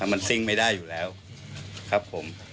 มันซิ่งไม่ได้อยู่แล้วครับผม